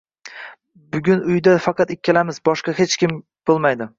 — Bugun uyda faqat ikkalamiz, boshqa hech kim bo’lmaydi